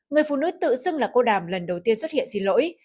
người phụ nữ tự xưng là cô đàm lần đầu tiên xuất hiện xin lỗi